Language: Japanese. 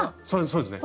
そうですね。